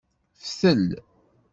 Ftel.